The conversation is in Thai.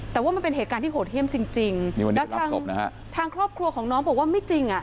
แต่ว่ามันเป็นเหตุการณ์ที่โหดเยี่ยมจริงจริงแล้วทางศพนะฮะทางครอบครัวของน้องบอกว่าไม่จริงอ่ะ